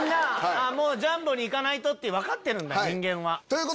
もうジャンボに行かないと！って分かってるんだ人間は。